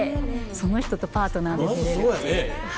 その人とパートナーで出れるっていう。